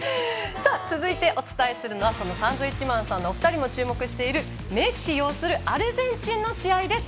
続いてお伝えするのはサンドウィッチマンさんのお二人も注目しているメッシ擁するアルゼンチンの試合です。